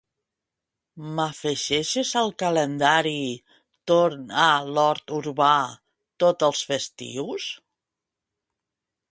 M'afegeixes al calendari "torn a l'hort urbà" tots els festius?